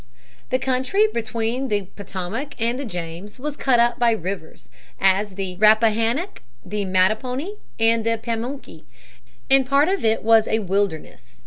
The country between the Potomac and the James was cut up by rivers, as the Rappahannock, the Mattapony, and Pamunkey, and part of it was a wilderness.